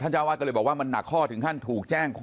ท่านเจ้าอาวาสก็เลยบอกว่ามันหนักข้อถึงท่านถูกแจ้ง